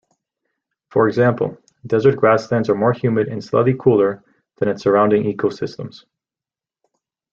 For example, desert grasslands are more humid and slightly cooler than its surrounding ecosystems.